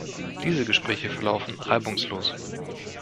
Diese Gespräche verlaufen reibungslos.